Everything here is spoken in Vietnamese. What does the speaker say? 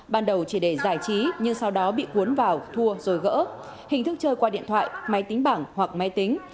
ban đầu chỉ để giải trí nhưng sau đó bị cuốn vào thua rồi gỡ hình thức chơi qua điện thoại máy tính bảng hoặc máy tính